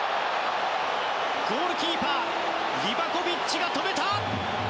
ゴールキーパーリバコビッチが止めた！